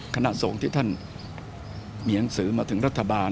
ขณะส่งที่ท่านมีหนังสือมาถึงรัฐบาล